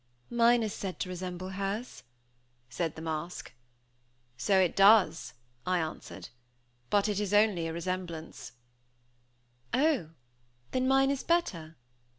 "Mine is said to resemble hers," said the mask. "So it does," I answered. "But it is only a resemblance." "Oh! then mine is better?"